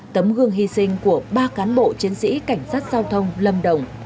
tấm gương hy sinh của ba cán bộ chiến sĩ cảnh sát giao thông lâm đồng